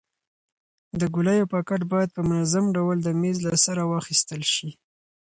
د ګولیو پاکټ باید په منظم ډول د میز له سره واخیستل شي.